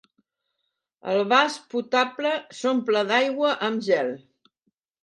El vas potable s'omple d'aigua amb gel.